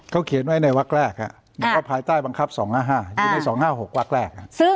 เขาเขียนไว้ในวักแรกบอกว่าภายใต้บังคับ๒๕๕อยู่ใน๒๕๖วักแรก